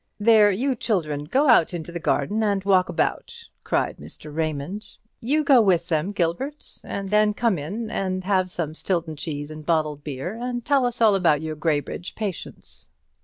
"There, you children, go out into the garden and walk about," cried Mr. Raymond. "You go with them, Gilbert, and then come in and have some stilton cheese and bottled beer, and tell us all about your Graybridge patients."